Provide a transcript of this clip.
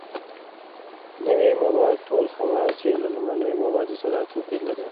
نوي مواد ټول خواص یې له لومړنیو موادو سره توپیر لري.